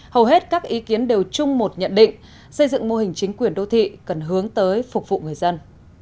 hầu hết các ý kiến đều chung một nhận định xây dựng mô hình chính quyền đô thị cần hướng tới phục vụ người dân